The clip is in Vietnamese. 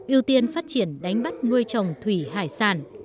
ưu tiên phát triển đánh bắt nuôi trồng thủy hải sản